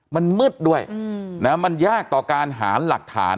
มันมืดด้วยมันยากต่อการหาหลักฐาน